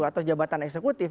atau jabatan eksekutif